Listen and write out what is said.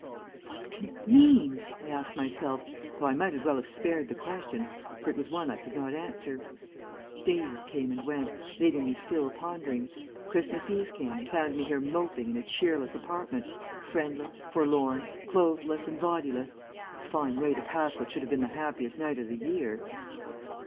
"'What can it mean?' I asked myself, though I might as well have spared the question, for it was one I could not answer. Days came and went, leaving me still pondering. Christmas Eve came and found me here moping in a cheerless apartment, friendless, forlorn, clothesless and bodiless a fine way to pass what should have been the happiest night of the year."